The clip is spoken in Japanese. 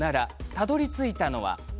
たどりついたのは。